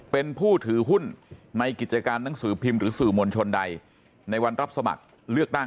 เป็นผู้ถือหุ้นในกิจการหนังสือพิมพ์หรือสื่อมวลชนใดในวันรับสมัครเลือกตั้ง